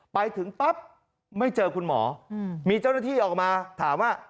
ไปถึงปั๊บไม่เจอคุณหมอมีเจ้าหน้าที่ออกมาถามว่า